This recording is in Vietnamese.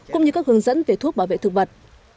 cũng như các hướng dẫn về thuốc bảo vệ thực vật